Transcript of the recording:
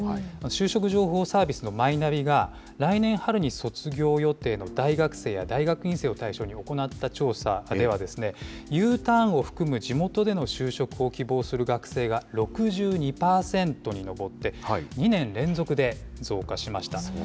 就職情報サービスのマイナビが、来年春に卒業予定の大学生や大学院生を対象に行った調査では、Ｕターンを含む地元での就職を希望する学生が６２％に上って、２年連続で増加しました。